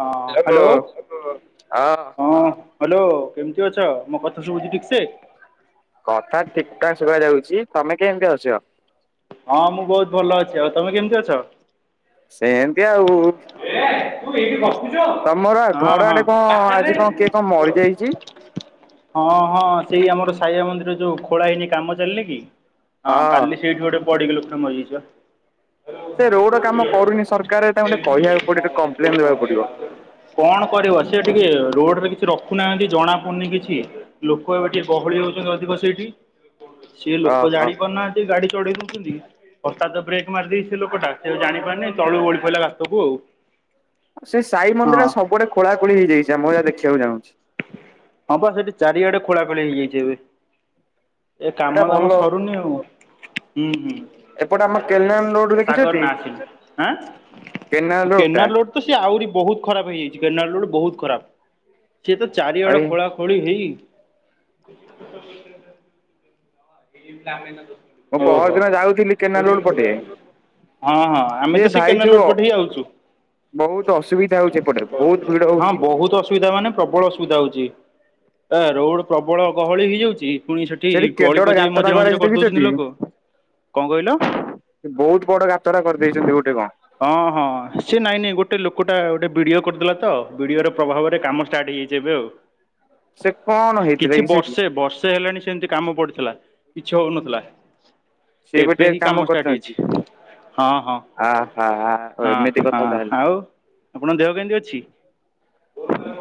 ହଁ ହ୍ୟାଲୋ ହଁ ହ୍ୟାଲୋ କେମିତି ଅଛ ମୋ କଥା ଶୁଭୁଛି ଠିକ ସେ କଥା ଠିକ ଠାକ ଶୁଭା ଯାଉଛି ତମେ କେମିତି ଅଛ? ହଁ ମୁଁ ବହୁତ ଭଲ ଅଛି ଆଉ ତମେ କେମିତି ଅଛ ସେମିତି ଆଉ ଏ ତୁ ଏଇଠି ବସ୍ ତମର ହଁ ଘର ହଁ ଆଡେ କଣ ପାଖରେ ଆଜି କଣ କିଏ କଣ ମରିଯାଇଛି? ହଁ ହଁ ସେଇ ଆମର ସାଇବାବା ମନ୍ଦିର ଯୋଉ ଖୋଳା ହେଇନି କାମ ଚାଲିନିକି ହଁ କାଲି ସେଇଠି ଗୋଟେ ପଡିକି ଲୋକଟେ ମରିଯାଇଛି ବା। ସେ ରୋଡ କାମ କରୁନି ସରକାର ତାଙ୍କୁ ଗୋଟେ କହିବାକୁ ପଡିବ କମ୍ପ୍ଲେନ ଦବାକୁ ପଡିବ। କଣ କରିବ ସେ ଟିକେ ରୋଡରେ କିଛି ରଖୁନାହାନ୍ତି ଜଣା ପଡୁନି କିଛି ଲୋକ ଏବେ ଟିକେ ଗହଳି ହଉଛନ୍ତି ଅଧିକ ସେଇଠି ସିଏ ଲୋକ ଓହୋ ଜାଣିପାରୁନାହାଁ ଗାଡି ଚଢେଇ ଦଉଛନ୍ତି ହଠାତ ବ୍ରେକ୍ ମାରି ଦେଇଚି ସେ ଲୋକଟା ସେଆଉ ଜାଣିପାରୁନି ଚଳୁକୁ ଗଳି ପଇଲା ସବୁ ଆଉ। ସେ ସାଇ ହଁ ମନ୍ଦିର ସବୁଆଡ ଖୋଳାଖୋଳି ହେଇଯାଇଛି ଆମ ଯାହା ଦେଖିବାକୁ ଚାହୁଁଛି। ହଁ ବାପା ସେଠି ଚାରିଆଡେ ଖୋଳା ଖଖୋଳି ହେଇଯାଇଛି ଏବେ। ଏ ଏଇଟା କାମ ଦାମ ଭଲ ସରୁନି ଆଉ ହୁଁ ହୁଁ। ଏପଟେ ଆମ କେନାଲ ରୋଡ ସାଗର ଦେଖିଛଟି ନା ଟିମ। ରୋଡ ଟା କେନାଲ ରୋଡତ ସିଏ ଆହୁରି ବହୁତ ଖରାପ ହେଇଯାଇଛି କେନାଲ ରୋଡ ବହୁତ ଖରାପ। ସିଏତ ଚାରି ଆଡ ଏଇ ଖୋଳା ଖୋଳି ହେଇ ଏ କାାମ [inaudible] ମୁଁ ପହରଦିନ ଯାଉଥିଲି କେନାଲ ରୁଡ଼ ପଟେ ହଁ ହଁ ସିଏ ଆମେତ ସେଇ ଭାଇ ଯୋଉ କେନାଲରୋଡ ପଟେହି ଆଉଚୁ। ବହୁତ ଅସୁବିଧା ହଉଛି ଏପଟେ ବହୁତ ଭିଡ ହଁ ହଉଛି। ବହୁତ ଅସୁବିଧା ମାନେ ପ୍ରବଳ ଅସୁ ଆ ରୋଡ ପ୍ରବଳ ଗହଳି ହେଇଯାଉଛି ପୁଣି ସେଠି ଗଳି ଗୋଟେ କଜିଆ ବି ଗାତଟା ମଝିରେ ମଝିରେ କରାହେଇଚି କରିଦଉଛନ୍ତି ଦେଖିଚକି? ଲୋକ। କଣ କହିଲ? ସେ ବହୁତ ବଡ ଗାତଟେ କରିଦେଇଛନ୍ତି ଗୋଟେ କଣ ହଁ ହଁ ସେ ନାଇଁ ନାଇଁ ଗୋଟେ ଲୋକଟା ଗୋଟେ ବିଡିଓ କରିଦେଲା ତ ବିଡିଓ ର ପ୍ରଭାବରେ କାମ ଷ୍ଟାର୍ଟ ହେଇଯାଇଛି ସେ କଣ ଆଉ ହେଇଥିଲା କିଛି କି ସେଇଠି ବର୍ଷେ ବର୍ଷେ ହେଲାଣି ସେମତି କାମ ପଡିଥିଲା କିଛି ହଉନଥିଲା ସିଏ ବି ଏବେ ଟିକେ ହିଁ କାମ ଷ୍ଟାର୍ଟ କରିଛନ୍ତି। ହେଇଛି। ହଁ ହଁ ଆହା ଏମିତି ହଁ କଥା ହଁ ତାହେଲେ। ଆଉ ଆପଣଙ୍କ ଦେହ କେନ୍ତି ଅଛି?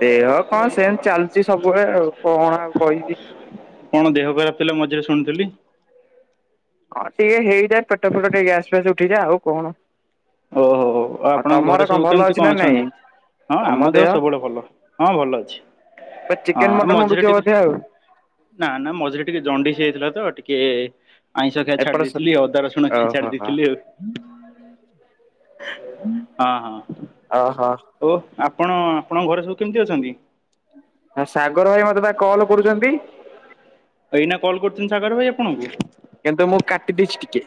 ଦେହ କଣ ସେମିତି ଚାଲଚି ସବୁବେଳେ ଆଉ କଣ ଆଉ କହିବି। କଣ ଦେହ ଖରାପ ଥିଲା ମଝିରେ ଶୁଣୁଥିଲି। ହଁ ଟିକେ ହେଇଯାଏ ପେଟ ଫେଟ ଟିକେ ଗ୍ୟାସ୍ ଫ୍ୟାସ୍ ଉଠିଯାଏ ଆଉ କଣ। ଓହୋ ଆଉ ଆପଣଙ୍କ ତମର ଘରେ କଣ ସବୁ ଭଲ କେମିତି ଅଛି ନା କଣ ନାଇଁ? ଅଛନ୍ତି? ହଁ ଆମ ଦେହ ସବୁବେଳେ ଭଲ ହଁ ଭଲ ଅଛି। ବା ହଁ ଚିକେନ ମଟନ ମଝିରେ ଉଡୁଥିବ ଟିକେ ବୋଧେ ଆଉ ନା ନା ମଝିରେ ଟିକେ ଜଣ୍ଡିସ୍ ହେଇଥିଲା ତ ଟିକେ ଆଇଁଷ ଖିଆ ଛାଡ଼ି ଦେଇଥିଲି ଆ ଅଦା ରସୁଣ ଖିଆ ଛାଡ଼ି ଦେଇଥିଲି ଆଉ। ହୁଁ [inaudible] ହଁ ହଁ ଓହୋ। ଓ ଆପଣ ଆପଣଙ୍କ ଘରେ ସବୁ କେମିତି ଅଛନ୍ତି? ହ ସାଗର ଭାଇ ମତେ ବା କଲ୍ କରୁଛନ୍ତି। ଏଇନା କଲ୍ କରୁଛନ୍ତି ସାାଗର ଭାଇ ଆପଣଙ୍କୁ? କିନ୍ତୁ ମୁଁ କାଟି ଦେଇଛି ଟିକେ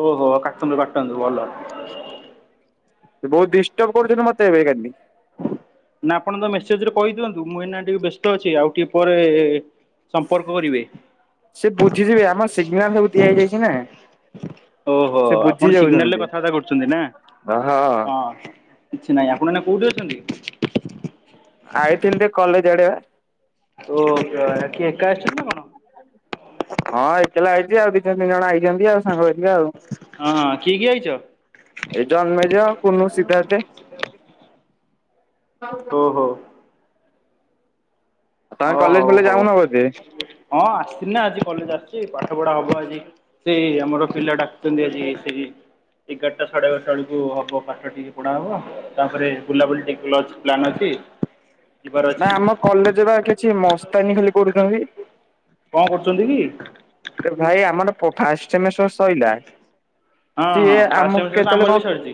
ଓହୋ କାଟନ୍ତୁ କାଟନ୍ତୁ ଭଲ। ସେ ବହୁତ ଡିଷ୍ଟର୍ବ କରୁଥିଲୁ ମତେ ଏବେଖାଲି। ନା ଆପଣ ତ ମେସେଜରେ କହିଦିଅନ୍ତୁ ମୁଁ ଏଇନା ଟିକେ ବ୍ୟସ୍ତ ଅଛି ଆଉ ଟିକେ ପରେ ସମ୍ପର୍କ କରିବେ। ସେ ବୁଝିଯିବେ ଆମର ସିଗନାଲ ସବୁ ଦିଆ ହେଇଯାଇଛି ନା। ଓହୋ ସେ ବୁଝି ଆପଣ ସିଗନାଲ ରେ ଯାଉଛନ୍ତି। କଥାବାର୍ତ୍ତା କରୁଛନ୍ତି ନା ଓହୋ ହଁ। କିଛି ନାଇଁ ଆପଣ ଏଇନା କୋଉଠି ଅଛନ୍ତି? ଆଇଥିଲି ଟିକେ କଲେଜ ଆଡେ ବା। ତ ଏଠି ଏକା ଆସିଛନ୍ତି ନା କଣ? ହଁ ଏକଲା ଆଇଛି ଆଉ ଦିତିନି ତିନି ଜଣ ଆଇଛନ୍ତି ଆଉ ସାଙ୍ଗ ହେଇକିରି ଆଉ। ଜାଇଛ? ଏ ଜନ୍ମେଜୟ କୁନୁ ସିଦ୍ଧାର୍ଥେ। [inaudible] ଓହୋ ଓ ତମେ କଲେଜ ହଉ ଫଲେଜ ହଉ। ଯାଉନ ବୋଧେ? ହଁ ଆସିଥିଲନା, ଆଜି କଲେଜ ଆସିଛି। ପାଠପଢା ହବ ଆଜି। ସେଇ ଆମର ପିଲା ଡାକଛନ୍ତି ଆଜି ହେଇ ସେଇ ଠିକ ଏଗାରଟା ସାଢେ ଏଗାରଟା ବେଳକୁ ହବ ପାଠ ଟିକେ ପଢା ହବ ତାପରେ ବୁଲାବୁଲି ଟିକେ ଲ ପ୍ଲାନ୍ ଅଛି। ଁ [inaudible] ନା ଆମ କଲେଜବା କିଛି ମସ୍ତାନୀ ଖାଲି କରୁଛନ୍ତି। କଣ କରୁଛନ୍ତି କି? ଭାଇ ଆମର ଫ ଫାଷ୍ଟ ସେମିଷ୍ଟର ସଇଲା। ହଁ ସିଏ ହଁ ଫାଷ୍ଟ ଆମକୁ ସେମିଷ୍ଟର ତ କେତେଏଳେ ଆମର ବି କଣ ସରିଛି।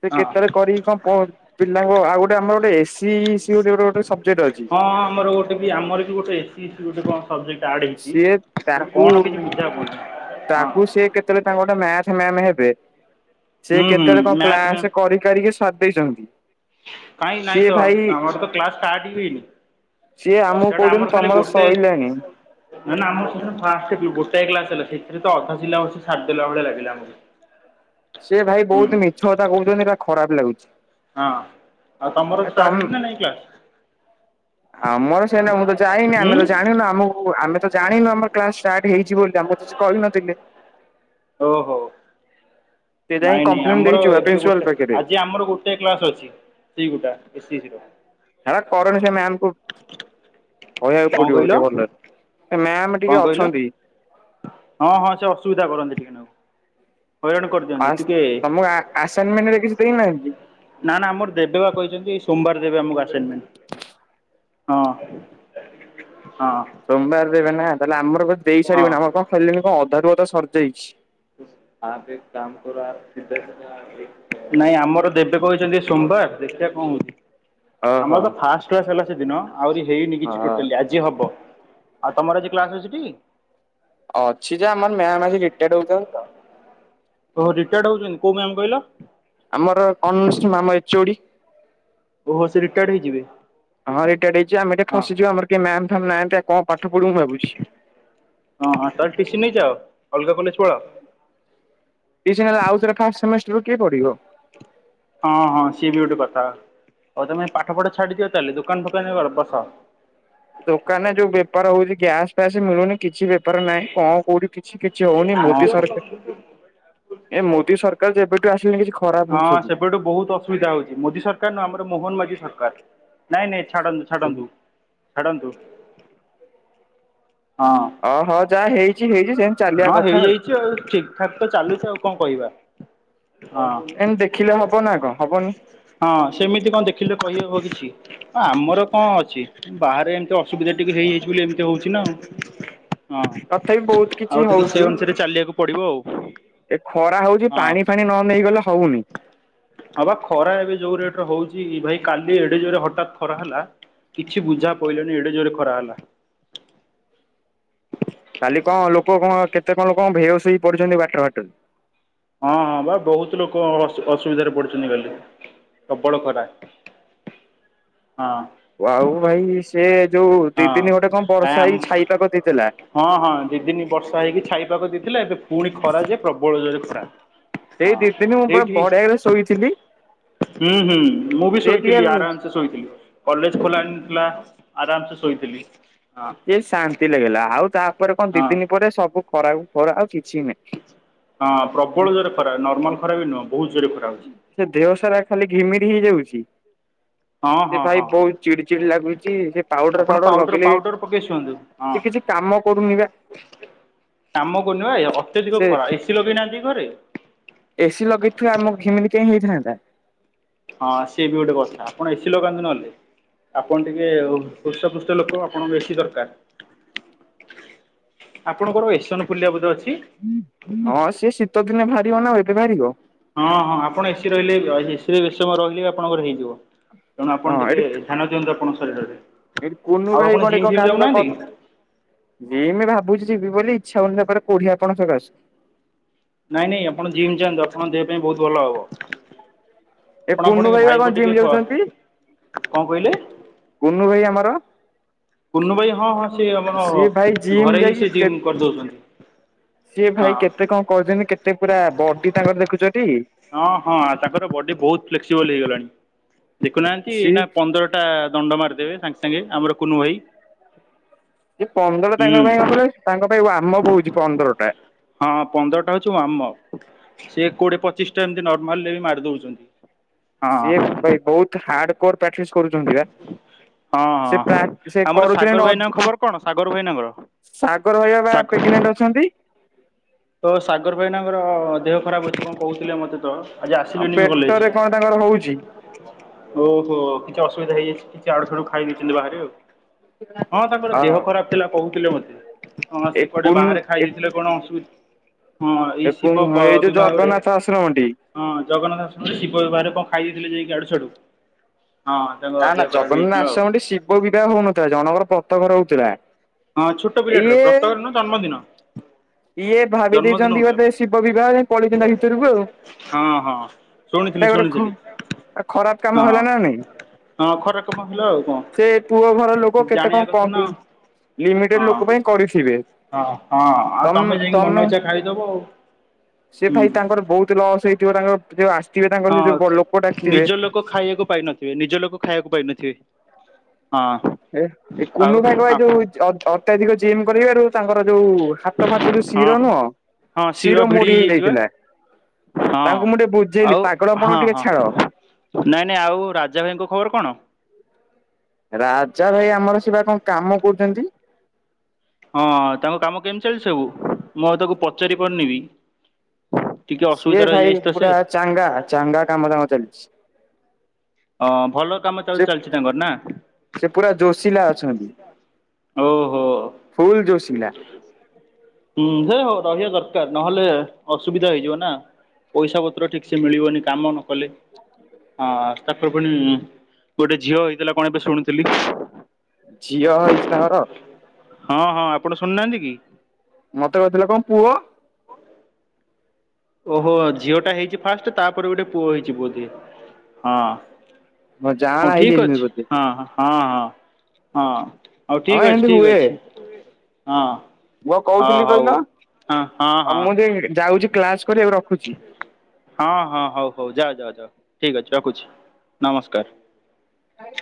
ସିଏ ହଁ କେତେଏଳେ କରିକି କଣ ପଢ଼ ପିଲାହଉ ଆଉ ଗୋଟେ ଆମର ଗୋଟେ ଏସି ସିଏ ଗୋଟେ ସବଜେକ୍ଟ ଅଛି। ହଁ ଆମର ଗୋଟେବି ଆମରବି ଗୋଟେ ଏସି ଇଚି ଗୋଟେ କଣ ସବଜେକ୍ଟ ଆଡ୍ ହେଇଛି। ସିଏ ସେଟା ତାକୁ, କଣ କିଛି ବୁଝା ପଡୁନି ହଁ ତାକୁ ସିଏ କେ ତାଙ୍କ ଗୋଟେ ମ୍ୟାଥ ମ୍ୟାମ୍ ହେବେ ସେ ହୁଁ ହୁଁ କେତେବେଳେ କଣ ମ୍ୟାଥ କ୍ଲାସ କରି କାରିକି ଶାରି ଦେଇଛନ୍ତି। କହିଁ ସିଏ ନାଇଁତ ଭାଇ ତାଙ୍କର ତ କ୍ଲାସ ଷ୍ଟାର୍ଟ ବି ସିଏ ହେଇନି। ଆମକୁ ସେଟା କହୁଛନ୍ତି ଆମର ଖାଲି ତମର ଗୋଟେ ସଇଲାଣି। ନା ନା ଆମର ସେଦିନ ଫାଷ୍ଟ ଯାଇଥିଲୁ ଗୋଟାଏ କ୍ଲାସ ହେଲା ସେଇଥିରେ ତ ଅଧା ସିଲାବସ ଛାଡିଦେଲା ଭଳିଆ ଲାଗିଲା ଆମକୁ। ସିଏ ଭାଇ ହୁଁ ବହୁତ ମିଛ କଥା କହୁଛନ୍ତି ହେଟା ଖରାପ ଲାଗୁଛି। ହଁ, ଆଉ ତମର ଷ୍ଟାର୍ଟ ହେଇଚି ନା ନାଇ କ୍ଲାସ? ଆମର ସେଇଟା ମୁଁ ତ ଯାଇନି ଆମେ ତ ହୁଁ ଜାଣିନୁ ଆମକୁ ଆମେ ତ ଜାଣିନୁ ଆମର କ୍ଲାସ ଷ୍ଟାର୍ଟ ହେଇଛି ବୋଲି ଆମକୁ କିଛି କହିନଥିଲେ। ଓହୋ। ସେ ଯାଇ ନାଇଁ ନାଇଁ କମ୍ପ୍ଲେନ ଆମର ଦେଇଛୁ ବା ଏବେ ପ୍ରିନ୍ସିପାଲ ଗୋଟେ, ପାଖରେ ଆଜି ଆମର ଗୋଟେ କ୍ଲାସ ଅଛି ସେଇ ଗୋଟା ଏ ସି ସି ର। ହେରା କରନି ସେ ମ୍ୟାମ କୁ, କହିବାକୁ କଣ କହିଲ ପଡିବଟିକେ ଭଲରେ ସେ ମାମ୍ କଣ ଟିକେ କହିଲ ଅଛନ୍ତି। ହଁ ହଁ ସେ ଅସୁବିଧା କରନ୍ତି ଟିକେ ନାକୁ। ହଇରାଣ କରିଦିଅନ୍ତି ଆସ୍, ଟିକେ ତମକୁ ଆସାଇନମେଣ୍ଟରେ କିଛି ଦେଇନାହାନ୍ତି? ନା ନା ଆମର ଦେବେ ବା କହିଛନ୍ତି। ସୋମବାର ଦେବେ ଆମକୁ ଆସାଇନ ହଁ। ହଁ ସୋମବାର ଦେବେ ନା ତାହେଲେ ଆମର ଦେଇ ହଁ। ସାରିବିନି ଆମର କଣ ଖାଇିଲଣିି କଣ ଅଧାରୁୁ ଅଧା ସରିଯାଇଛି। ଆପ ଏକ କାମ କରୋ, ଅପ୍ ସିଧା ସିଧା ନାଇଁ ଆମର ଦେବେ କହୁଛନ୍ତି ସୋମବାର, ଦେଖିଆ କଣ ହଉଛି? ଆମର ଓହୋ ତ ଫାଷ୍ଟକ୍ଲାସ ହେଲା ସେଦିନ। ଆହୁରି ହେଇନି କିଛି ହଁ ଟୋଟାଲି ଆଜ ଆଜି ହବ। ଆଉ ତମରଆଜି କ୍ଲାସ ହେଇଚିଟି? ଅଛି ଯେ ଆମର ମାମ୍ ଆଜି ରିଟାୟାର୍ଡ ହଉଛନ୍ତି ତ। ଓହୋ ରିଟାୟାର୍ଡ ହଉଛନ୍ତି। କୋଉ ମ୍ୟାମ୍ କହିଲ? ଆମର ଅନର୍ଷ ମାମ ଏଚଓଡ଼ି। ଓହୋ ସେ ରିଟାୟାର୍ଡ ହେଇଯିବେ? ହଁ ରିଟାୟାର୍ଡ଼ ହେଇଜିବେ। ଆମ ଏଠି ହଁ ଫସିଚୁ ଆମର କେହି ମ୍ୟାମ୍ ଫ୍ୟାମ୍ ନାହାନ୍ତି ଆଉ କଣ ପାଠ ପଢ଼ିବୁ ଭାବିଚୁ। ହଁ, ତ ଟିସି ନେଇଯାଅ। ଅଲଗା କଲେଜ ପଳାଅ। ଟିଏ ସମୟରେ ଆଉଥରେ ଫାଷ୍ଟ ସେମିଷ୍ଟରକୁ କିଏ ପଢ଼ିବ? ହଁ ହଁ ସିଏ ବି ଗୋଟେ କଥା। ହଉ ତମେ ପାଠପଢ଼ା ଛାଡିଦିଅ ତାହେଲେ, ଦୋକାନ ଫୋକାନ ରେ ବସ। ଦୋକାନରେ ଯୋଉ ବେପାର ହଉଚି ଗ୍ୟାସ ଫ୍ୟାସ ମିଳୁନି କିଛି ବେପ ଆର ନାଇଁ। କଣ କୋଉଠି କିଛି କିଛି ହଉନି ମୋଦି ହଁ ସରକାର ଏ ମୋଦି ସରକାର ଯେବେଠୁ ଆସିଲେଣି କିଛି ଖରାପ ହଁ ହଉଛି ସବୁ। ସେବେଟୁ ବହୁତ ଅସୁବିଧା ହଉଚି। ମୋଦି ସରକାର ନୁହ ଆମର ମୋହନମାଝି ସରକାର। ନାଇଁ ନାଇଁ ଛାଡ଼ନ୍ତୁ ଛାଡ଼ନ୍ତୁ ଛାଡ଼ନ୍ତୁ। ହଁ, ଓହୋ ଯାହା ହେଇଛି ହେଇଛି ସେମିତି ଚାଲିବା ହଁ କଥା ହେଇଯାଇଚି ଆଉ ଠିକ। ଫାକ୍ ତ ଚାଲିଚି ଆଉ କଣ କହିବା? ହଁ ଏମ ଦେଖିଲେ ହବ ନା କଣ ହବନି। ହଁ ସେମିତି କଣ ଦେଖିଲେ କହିହବ କିଛି। ହଁ ଆମର କଣ ଅଛି ବାହାରେ ଏମିତି ଅସୁବିଧା ଟିକେ ହେଇଯାଇଚି ବୋଲି ଏମିତି ହଉଚି ନା। ହଁ ତଥାପି ବହୁତ ଆଉ କିଛି ଟିକେ ସେ ହଉଚି। ଅନୁସାରେ ଚାଲିବାକୁ ପଡିବ ଆଉ ଏ ଖରା ହଉଚି ହଁ। ପାଣି ଫାଣି ନ ନେଇଗଲେ ହଉନି। ହଁ ବା ଖରା ଏବେ ଯୋଉ ରେଟରେ ହଉଚି ଭାଇ କାଲି ଏଡେ ଯୋରେ ହଠାତ୍ ଖରା ହେଲା। କିଛି ବୁଝା ପଇଲାନି ଏଡେ ଜୋର୍ ରେ ଖରା ହେଲା। କାଲି କଣ ଲୋକ କଣ କେତେ କଣ କଣ ଭେହୋସ ହେଇକି ପଡିଚନ୍ତି ବାଟର ବାଟରେ। ହଁ ହଁ ବା ବହୁତ ଲୋକ ଅ ଅସୁବିଧାରେ ପଡିଚନ୍ତି କାଲି। ପ୍ରବଳ ଖରା ହଁ। ଆଉ ଭାଇ ସେ ଯୋଉ ଦି ତିନ ଘଣ୍ଟା କଣ ଆ ବର୍ଷା ହେଇ ଆମ ଛାଇ ପାକ ଦେଇଥିଲା। ହଁ ହଁ ଦି ଦିନ ବର୍ଷା ହେଇକି ଛାଇ ପାଗ ଦେଇଥିଲା। ଏବେ ପୁଣି ଖରା ଯେ ପ୍ରବଳ ଜୋରେ ଖରା। ସେଇ ହଁ ଦି ଦିନି ମୁଁ ପୁରା ଏଇଠି ବଢିଆରେ ଶୋଇଥିଲି। ହୁଁ ହୁଁ ମୁଁ ବି ସେ ଟିକେ ଶୋଇଥିଲି। ଆରାମସ ଶୋଇଥିଲି। କଲେଜ ଖୋଲା ନ ଥିଲା ଆରାମସେ ଶୋଇଥିଲି। ହ। ସେ ଶାନ୍ତି ଲାଗିଲା ଆଉ ତାପରେ କଣ ଦି ହଁ। ଦିନ ପରେ ସବୁ ଖରାକୁ ଖରା ଆଉ କିଛି ନାହିଁ। ହଁ ପ୍ରବଳ ଜୋରେ ଖରା। ନର୍ମାଲ ଖରା ବି ନୁହଁ। ବହୁତ ଜୋରରେ ଖରା ହଉଚି। ସେ ଦେହ ସାରା ଖାଲି ଘିମିରି ହେଇଯାଉଚି। ହଁ ସେ ହଁ ଭାଇ ହଁ ବହୁତ ଚିଡି ଚିଡି ଲାଗୁଚି। ସେ ପାଉଡର ଆପଣ ଫାଉଡର ପାଉଡର ଲଗେଇଲେ ବି ପାଉଡର ପକେଇ ଶୁଅନ୍ତୁ ହଁ। ସେ କିଛି କାମ କରୁନି ବା। କାମ କରୁନି ବା। ଅତ୍ୟଧିକ ସେ ଖରା। ଏସିି ଲଗେଇନାହାନ୍ତି କି ଘରେ? ଏସିି ଲଗେଇଥିବା ଆମକୁ ଘିମିରି କାହିଁ ହେଇଥାନ୍ତା? ହଁ ସିଏ ବି ଗୋଟେ କଥା। ଆପଣ ଏସିି ଲଗାନ୍ତୁ ନହେଲେ। ଆପଣ ଟିକେ ହୃଷ୍ଟପୃଷ୍ଟ ଲୋକ। ଆପଣଙ୍କୁ ବେଶୀ ଦରକାର। ଆପଣଙ୍କର ଏସନ ଫୁଲିଆ ବୋଧେ ଅଛି? ହଁ ସିଏ ଶୀତ ଦିନେ ବାହାରିବ ନା ଏବେ ବାହାରିବ? ହଁ ହଁ ଆପଣ ଏସିି ରହିଲେ ଏ ଏସି ରେ ବେଶୀ ସମୟ ରହିଲେ ବି ଆପଣଙ୍କର ହେଇଯିବ। ତେଣୁ ଆପଣ ଟିକେ ଧ୍ୟାନ ଦିଅନ୍ତୁ ଆପଣଙ୍କ ଶରୀରରେ। ଏଇଠି କୁନୁ ର ଆଉ ଭାଇ ଆପଣ କଣ ଜିମ୍ କୁଆଡ଼େ ଫିମ୍ କାମ ର ଯାଉନାହାନ୍ତି କି? କଟ ଯିମ ଭାବୁଚି ଯିବି ବୋଲି। ଇଛା ହଉନି ତାପରେ କୋଢିଆ ପଣ ସକାସେ। ନାଇଁ ନାଇଁ ଆପଣ ଜିମି ଯାଆନ୍ତୁ। ଆପଣଙ୍କ ଦେହ ପାଇଁ ବହୁତ ଭଲ ହବ। ଏ ଆପଣ କୁନୁ ପଣଙ୍କ ଭାଇ ବା କଣ ଭାଇଙ୍କୁ ଜିମ୍ ଟିକେ ଯାଉଛନ୍ତି କଣ କହିଲେ? କୁନୁ ଭାଇ ଆମର। କୁନୁ ଭାଇ ହଁ ହଁ ସେ ଆମର ସିଏ ଭାଇ ଜିମ୍ ଘରେ ହିଁ ଯାଇକି ସେ କେ ଜିମ୍ କରିଦଉଚନ୍ତି। ସିଏ ଭାଇ କେତେ କଣ କରୁଚନ୍ତି କେତେ ପୁରା ବଡି ତାଙ୍କର ଦେଖୁଚ ଟି? ହଁ ହଁ ତାଙ୍କର ବଡି ବହୁତ ଫ୍ଲେକ୍ସିବଲ ହେଇଗଲାଣି। ଦେଖୁନାହାନ୍ତି ସି ଏଇନା ପନ୍ଦର ତା ଦଣ୍ଡ ମାରି ଦେବେ ସାଙ୍ଗେ ସାଙ୍ଗେ ଆମର କୁନୁ ଭାଇ। ଯେ ପନ୍ଦରଟା ତାଙ୍କ ହୁଁ ପାଇଁ କଣ କହିଲେ ତାଙ୍କ ପାଇଁ ଆମ ବହୁଛି ପନ୍ଦରଟା। ହଁ-ଅ-ଅ ପନ୍ଦରଟା ହଉଛି ମୁଁ ଆମ ସେ କୋଡିଏ ପଚିଶ ଟା ଏମତି ନର୍ମାଲରେ ବି ମାରି ଦଉଛନ୍ତି। ହଁ ସିଏ ହଁ ଭାଇ ବହୁତ ହାର୍ଡ କୋର ପ୍ରାକ୍ଟିସ କରୁଛନ୍ତି ବା। ସେ ହଁ-ଅ-ଅ ପ୍ରା ହଁ ସେ ଆମର କରୁଥିଲେ ନ ସାଗର ଭାଇନାଙ୍କ ଖବର କଣ ସାଗର ଭାଇନାଙ୍କର? ସାଗର ଭାଇ ବା ସାଗ ପ୍ରେଗନେଣ୍ଟ ଅଛନ୍ତି? ତ ସାଗର ଭାଇନାଙ୍କର-ଅ-ଅ-ଅ ଦେହ ଖରାପ ଅଛି କଣ କହୁଥିଲେ ମତେ ତ। ଆଜି ଆ ଆସିଲେନି ବି କଲେଜ। ପେଟରେ କଣ ତାଙ୍କର ହଉଛି। ଓହୋ କିଛି ଅସୁବିଧା ହେଇଯାଇଛି କିଛି ଆଡୁ ସାଡୁ ଖାଇ ଦେଇେଇଛନ୍ତି ବାହାରେ ଆଉ। ହଁ ତାଙ୍କର ଦେହ ଖରାପ ଥିଲା କହୁଥିଲେ ମତେ ହଁ ଏ ସେ କୁଆଡେ କୁନୁ ବାହାରେ ଖାଇ ଏ ଦେଇଥିଲେ। କଣ ଅସୁବି ହଁ ଏଇ ଏ ଶିବ ବ ଯୋଉ ବିବାହରେ। ଜଗନ୍ନାଥ ଆଶ୍ରମଟି। ହଁ ଜଗନ୍ନାଥ ଆଶ୍ରମ ରେ ଶିବ ବିବାହରେ କଣ ଖାଇ ଦେଇଥିଲେ ଯାଇକି ଆଡ଼ୁ ସାଡ଼ୁ। ନା ନା ହେଇଯାଇଥିଲା ଜଗନ୍ନାଶ ଆଉ। ଆଶ୍ରମଠି ଶିବ ବିବାହ ହଉନଥିଲା ଜଣଙ୍କର ବ୍ରତ ଘର ହଉଥିଲା। ହଁ ଛୋଟ ପିଲା ଟିର ଇଏ ବ୍ରତ ଘର ନୁହଁ ଜନ୍ମଦିନ। ଇଏ ଭାବି ଜନ୍ମଦିନ ଦେଇଛନ୍ତି ହୋଉ ବୋଧେ ଶିବ ବିବାହ ଯାଇ ପଳେଇଛନ୍ତି ତା ଥିଲା ଭିତରକୁ ଆଉ। ହଁ ହଁ। ଶୁଣିଥିଲି ଶୁଣିଥିଲି। ଆ ଖରାପ ହଁ କାମ ହେଲା ନା ନାଇଁ। ହଁ ଖରାପ କାମ ହେଲା ଆଉ କଣ ସେ ପୁଅ ଘର ଲୋକ କେତେ ଜାଣିବା କଣ କଥା ନା କମ୍ପ୍ଲେନ ଲିମିଟେଡ ହଁ ଲୋକ ପାଇଁ କରିଥିବେ। ହଁ ହଁ ଆଉ ତମେ ଯାଇକି ମନ ଇଚ୍ଛା ଖାଇଦବ ଆଉ। ସେ ହୁଁ ଥାଇ ତାଙ୍କର ବହୁତ ଲସ୍ ହେଇଥିବ ତାଙ୍କର ଏ ଯୋଉ ଆସିଥିବେ ତାଙ୍କର ସେ ହଁ ଯୋଉ ଲୋକ ନିଜ ଡାକିଥିବେ। ଲୋକ ଖାଇବାକୁ ପାଇନଥିବେ ନିଜ ଲୋକ ଖାଇବାକୁ ପାଇନଥିବେ ହଁ। ଏ ଏ ଆଉ କୁନୁ ଭାଇଙ୍କ ହଁ ଏଇ ଯୋଉ ଚି ଅତ୍ୟଧିକ ଜିମ୍ କରିବାରୁ ତାଙ୍କର ଯୋଉ-ଊ-ଉ ହାତ ଫାତ ଯୋଉ ଶିର ନୁହଁ ହଁ ଶିର ଭିଡି ମୋଡି ହେଇ ହେଇଯାଇଛି ବା ଯାଇଥିଲା ହଁ ତାଙ୍କୁ ମୁଁ ଟିକେ ବୁଝେଇଲି ଆଉ ପାଗଳପଣ ହଁ ଟିକେ ହଁ ଛାଡ। ନାଇଁ ନାଇଁ ଆଉ ରାଜା ଭାଇଙ୍କ ଖବର କଣ? ରାଜା ଭାଇ ଆମର ସେ ବା କଣ କାମ କରୁଛନ୍ତି। ହଁ ତାଙ୍କ କାମ କେମିତି ଚାଲିଚି ସବୁ ମୁଁ ଆଉ ତାକୁ ପଚାରି ପାରୁନିବି। ସିଏ ଭାଇ ତ ସେ ପୁରା ଚାଙ୍ଗା ଚାଙ୍ଗା କାମ ଧାମ ତାଙ୍କ ଚାଲିଚି। ଅଁ ଭଲ କାମ ସେ ତାହେଲେ ଚାଲିଛି ତାଙ୍କର ନା? ସେ ପୁରା ଜୋସିଲା ଓ ହୋ। ଫୁଲ୍‌ଜୋଶିଲା। ହୁଁ ହେ ରହିବା ଦରକାର ନହେଲେ ଅସୁବିଧା ହେଇଯିବ ନା। ପଇସା ପତ୍ର ଠିକ ସେ ମିଳିବନି କାମ ନ କଲେ। ହଁ ହଁ ତା [unintelligible] ଗୋଟେ ଝିଅ ହେଇଥିଲା କଣ ଏବେ ଶୁଣୁଥିଲି। ଝିଅ ହେଇଛି ତାଙ୍କର ହଁ ହଁ ଆପଣ ଶୁଣୁ ନାହାନ୍ତି ନ୍ତି କି? ମତେ କହିଥିଲା କଣ ପୁଅ। ଓହୋ ଝିଅଟା ହେଇଛି ଫାଷ୍ଟ ତାପରେ ଗୋଟେ ପୁଅ ହେଇଛି ବୋଧେ ହଁ। ହଁ ଜାଆଁଳା ଠିକ୍ ହେଇଯାଇଛନ୍ତି ଅଛି ବୋଧେ ହଁ ହଁ। ହଁ ହଁ ହଁ ହଉ ହଁ ଠିକ ଅଛି ଏମିତି ଠିକ ହୁଏ ଅଛି ହଁ। ମୁଁ ଆଉ ହଁ କହୁଥିଲି ହଉ କହିଲ ହଁ ହଁ ଆଉ ହଁ ମୁଁ ଯେ ଯାଉଛି କ୍ଲାସ କରିଵାକୁ ରଖୁଛି। ହଁ ହଁ ହଉ ହଉ ଯାଅ ଯାଅ ଯାଅ ଠିକ ଅଛି ରଖୁଛି ନମସ୍କାର। ଭାଇ।